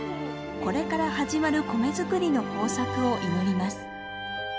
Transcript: これから始まる米作りの豊作を祈ります。